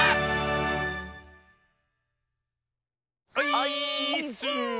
オイーッス！